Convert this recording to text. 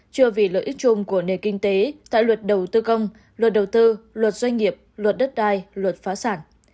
chưa vì lợi ích chung của nền kinh tế tại luật đầu tư công luật đầu tư luật doanh nghiệp luật đất đai luật phá sản